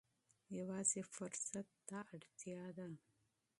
یوازې فرصت ته اړتیا ده.